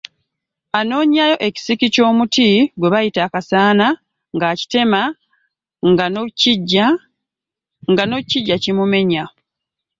Anoonyaayo ekisiki ky’omuti gwe bayita akasaana ng’akitema nga no kijja kimumenya.